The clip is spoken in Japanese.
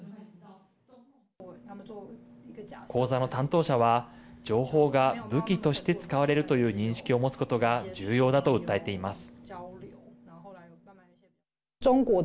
講座の担当者は情報が武器として使われるという認識を持つことが重要だと訴えています。